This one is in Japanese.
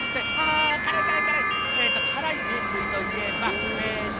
辛い麺類といえばえっと